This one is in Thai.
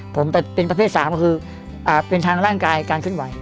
ผมเป็นประเภท๓คือเป็นทางร่างกายการขึ้นไหว